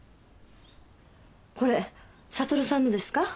これ悟さんのですか？